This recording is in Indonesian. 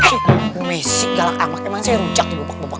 eh bu messi galak amat emang saya rujak di bebek bebek